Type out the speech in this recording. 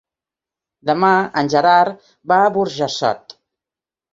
Demà en Gerard va a Burjassot.